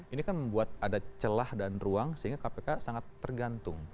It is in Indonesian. ini kan membuat ada celah dan ruang sehingga kpk sangat tergantung